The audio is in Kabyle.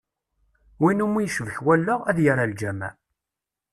Win umi yecbek wallaɣ, ad yerr ar lǧameɛ.